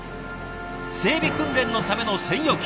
整備訓練のための専用機。